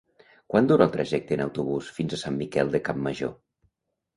Quant dura el trajecte en autobús fins a Sant Miquel de Campmajor?